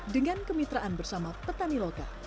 dengan kemitraan bersama petani lokal